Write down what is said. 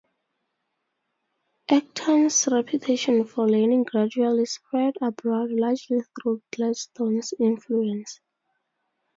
Acton's reputation for learning gradually spread abroad, largely through Gladstone's influence.